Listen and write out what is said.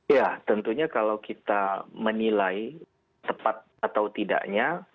ya tentunya kalau kita menilai tepat atau tidaknya